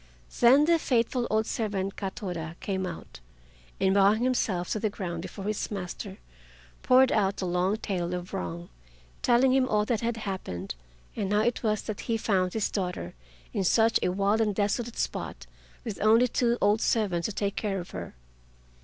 Then the faithful old servant Katoda came out, and bowing himself to the ground before his master, poured out the long tale of wrong, telling him all that had happened, and how it was that he found his daughter in such a wild and desolate spot with only two old servants to take care of her.